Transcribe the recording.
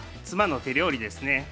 妻の手料理ですね。